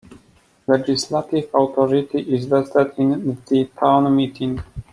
Legislative authority is vested in the Town Meeting.